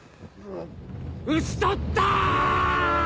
討ち取ったぁ！